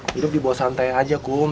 hidup di bawah santai aja kum